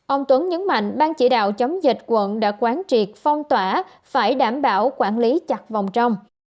ông tuấn nhấn mạnh ban chỉ đạo chống dịch quận đã quán triệt phong tỏa phải đảm bảo quản lý chặt vòng trong